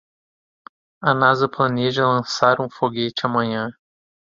A Nasa planeja lançar um foguete amanhã.